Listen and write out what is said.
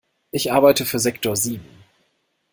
Ich arbeite für Sektor sieben.